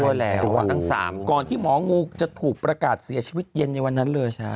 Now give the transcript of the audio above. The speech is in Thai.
หลังจากนั้นตอนที่หมองูจะถูกประกาศเสียชีวิตเย็นในวันนั้นเลยใช่